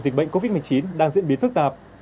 dịch bệnh covid một mươi chín đang diễn biến phức tạp